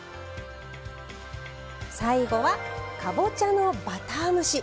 最後はかぼちゃのバター蒸し。